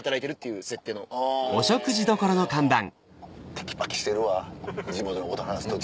テキパキしてるわ地元のこと話す時。